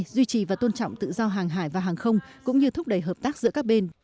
duy trì và tôn trọng tự do hàng hải và hàng không cũng như thúc đẩy hợp tác giữa các bên